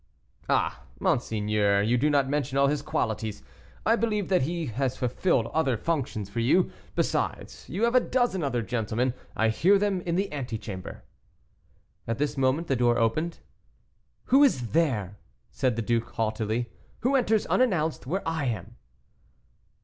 "Ah, monseigneur, you do not mention all his qualities; I believed that he fulfilled other functions for you. Besides, you have a dozen other gentlemen; I hear them in the ante chamber." At this moment the door opened. "Who is there?" said the duke, haughtily. "Who enters unannounced where I am?"